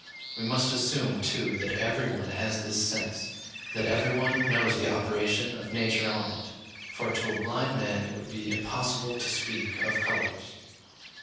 We must assume, too, that every one has this sense, that every one knows the operation of nature on it, for to a blind man it would be impossible to speak of colours.